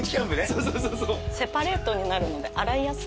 そうそうそうそう。